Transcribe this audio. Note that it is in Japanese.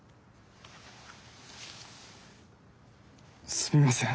すみません